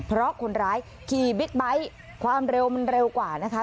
เพราะคนร้ายขี่บิ๊กไบท์ความเร็วมันเร็วกว่านะคะ